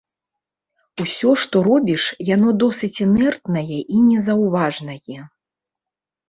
Усё што робіш, яно досыць інэртнае і незаўважнае.